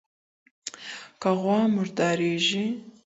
کي غوا مرداریږي